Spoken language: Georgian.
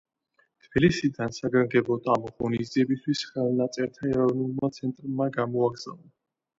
თბილისიდან საგანგებოდ ამ ღონისძიებისთვის ხელნაწერთა ეროვნულმა ცენტრმა გამოაგზავნა.